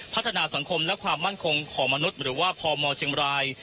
พัฒนาสังคมและความมั่นคงของมนุษย์หรือว่าพมเชียงบราย